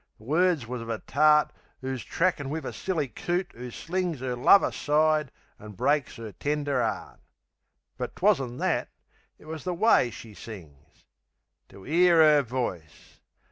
The words was uv a tart 'Oo's trackin' wiv a silly coot 'oo slings 'Er love aside, an' breaks 'er tender 'eart.... But 'twasn't that; it was the way she sings. To 'ear 'er voice!...